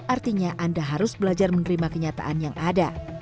artinya anda harus belajar menerima kenyataan yang ada